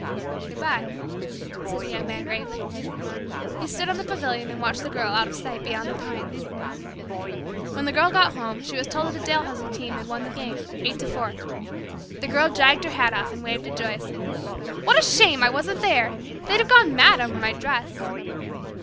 "Goodbye," said the Young Man gravely. He stood on the pavilion and watched the Girl out of sight beyond the pines. When the Girl got home she was told that the Dalhousie team had won the game, eight to four. The Girl dragged her hat off and waved it joyously. "What a shame I wasn't there! They'd have gone mad over my dress."